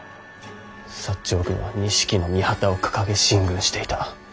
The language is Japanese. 長軍は錦の御旗を掲げ進軍していた。